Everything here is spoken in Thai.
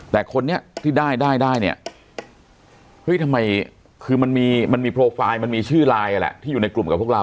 แต่คนนี้ที่ได้ได้เนี่ยเฮ้ยทำไมคือมันมีมันมีโปรไฟล์มันมีชื่อไลน์แหละที่อยู่ในกลุ่มกับพวกเรา